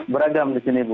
beragam di sini bu